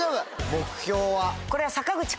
目標は？